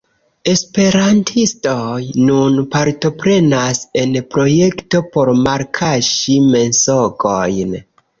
Esperantistoj nun partoprenas en projekto por malkaŝi mensogojn.